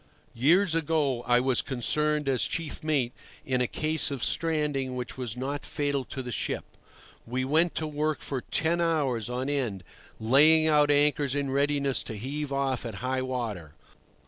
Years ago I was concerned as chief mate in a case of stranding which was not fatal to the ship. We went to work for ten hours on end, laying out anchors in readiness to heave off at high water.